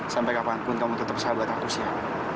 sampai kapanpun kamu tetap sahabat aku sya